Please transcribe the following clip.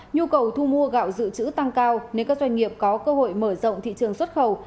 nhu cầu thu mua gạo dự trữ tăng cao nên các doanh nghiệp có cơ hội mở rộng thị trường xuất khẩu